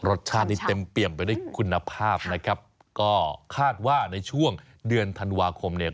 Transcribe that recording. รสชาตินี้เต็มเปี่ยมไปด้วยคุณภาพนะครับก็คาดว่าในช่วงเดือนธันวาคมเนี่ย